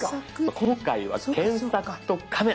今回は検索とカメラ